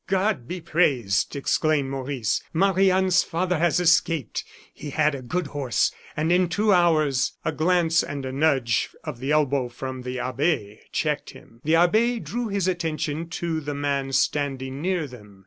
"God be praised!" exclaimed Maurice, "Marie Anne's father has escaped! He had a good horse, and in two hours " A glance and a nudge of the elbow from the abbe checked him. The abbe drew his attention to the man standing near them.